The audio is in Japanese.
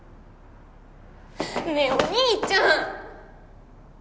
ねえお兄ちゃん！